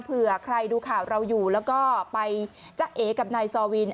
เผื่อใครดูข่าวเราอยู่แล้วก็ไปจ้าเอกับนายซอวิน